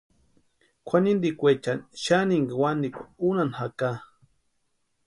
Kwʼanintikwechani xaninka wanikwa únhani jaka.